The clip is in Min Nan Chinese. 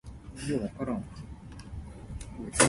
螿蜍